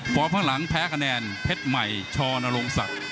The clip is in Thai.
ข้างหลังแพ้คะแนนเพชรใหม่ชนรงศักดิ์